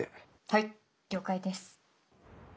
はい了解です！